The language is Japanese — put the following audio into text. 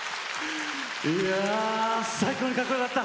最高にかっこよかった！